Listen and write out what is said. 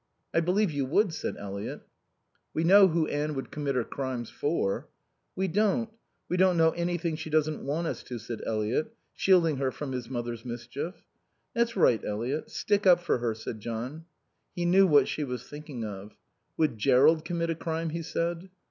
"I believe you would," said Eliot. "We know who Anne would commit her crimes for." "We don't. We don't know anything she doesn't want us to," said Eliot, shielding her from his mother's mischief. "That's right, Eliot, stick up for her," said John. He knew what she was thinking of. "Would Jerrold commit a crime?" he said.